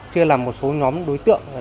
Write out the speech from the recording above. chưa là một số nhóm đối tượng